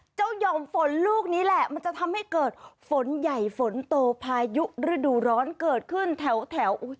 หย่อมฝนลูกนี้แหละมันจะทำให้เกิดฝนใหญ่ฝนโตพายุฤดูร้อนเกิดขึ้นแถว